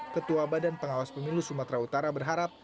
ketua badan pengawas pemilu sumatera utara berharap